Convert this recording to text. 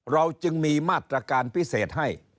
เราจึงมีมาตรการพิเศษให้